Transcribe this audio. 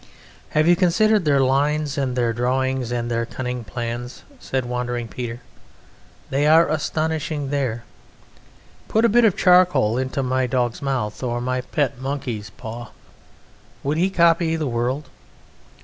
"Have you considered their lines and their drawings and their cunning plans?" said Wandering Peter. "They are astonishing there! Put a bit of charcoal into my dog's mouth or my pet monkey's paw would he copy the world?